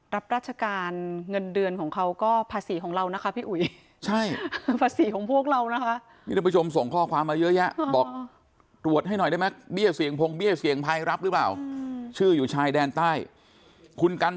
รับราชการเงินเดือนของเขาก็ภาษีของเรานะคะพี่อุ๋ยภาษีของพวกเรานะคะ